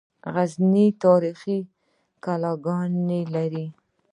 غزني تاریخي کلاګانې لري